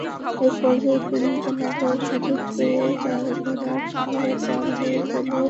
এক পর্যায়ে তিনি পালাবার সুযোগ পেয়ে তার ঘোড়া পরিখা পার হয়ে চলে আসে।